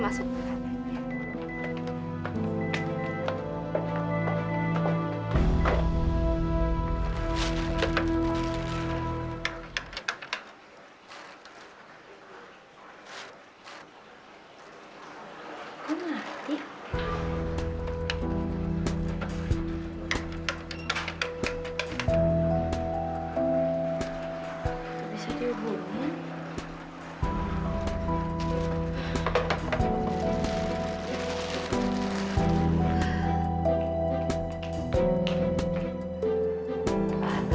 bisa dulu ya